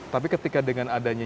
tapi ketika dengan adanya